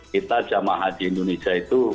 kita jamaah haji indonesia itu